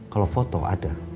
kalau foto ada